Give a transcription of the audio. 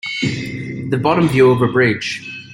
The bottom view of a bridge.